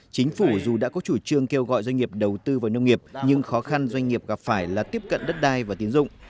chính phủ dù đã có chủ trương kêu gọi doanh nghiệp đầu tư vào nông nghiệp nhưng khó khăn doanh nghiệp gặp phải là tiếp cận đất đai và tiến dụng